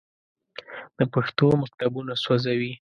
د پښتنو مکتبونه سوځوي.